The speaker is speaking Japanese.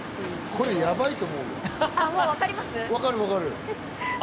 これ、ヤバいと思うわ。